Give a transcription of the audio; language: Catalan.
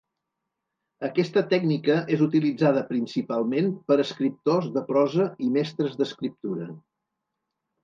Aquesta tècnica és utilitzada, principalment, per escriptors de prosa i mestres d'escriptura.